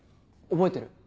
覚えてる？